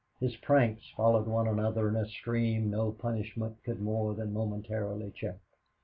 His pranks followed one another in a stream no punishment could more than momentarily check.